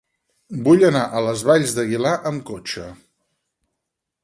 Vull anar a les Valls d'Aguilar amb cotxe.